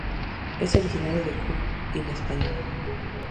Es originaria de Cuba y La Española.